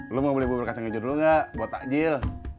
lo mau beli bubur kacang hijau dulu nggak buat takjil